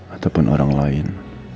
ataupun orang lain